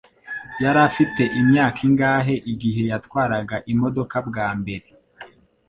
Yari afite imyaka ingahe igihe yatwaraga imodoka bwa mbere?